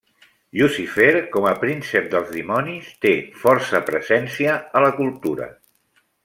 Llucifer com a príncep dels dimonis té força presència a la cultura.